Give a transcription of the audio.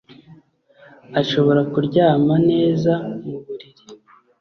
ashobora kuryama neza muburiri